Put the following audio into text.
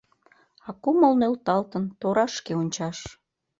А кумыл нӧлталтын, торашке ончаш